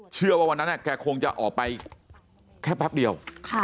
เชื่อว่าวันนั้นแกคงจะออกไปแค่แป๊บเดียว